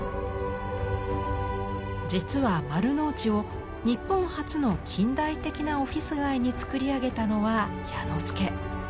実は丸の内を日本初の近代的なオフィス街に造り上げたのは彌之助。